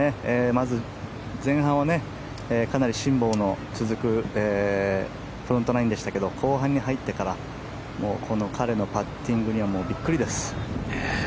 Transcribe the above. まず前半はかなり辛抱の続くフロントナインでしたけど後半に入ってから彼のパッティングにはもうびっくりです。